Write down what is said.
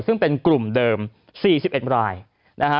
ซึ่งเป็นกลุ่มเดิม๔๑รายนะฮะ